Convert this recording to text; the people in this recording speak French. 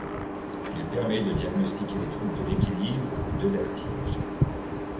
Il permet de diagnostiquer les troubles de l'équilibre ou de vertige.